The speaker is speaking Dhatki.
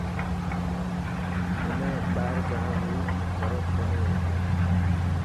حنا ٻاهر جاڻ ري ضرورت ڪونهي هي.